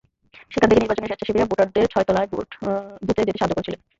সেখান থেকে নির্বাচনের স্বেচ্ছাসেবীরা ভোটারদের ছয়তলার ভোট বুথে যেতে সাহায্য করছিলেন।